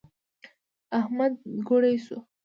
احمد ګوړۍ شو.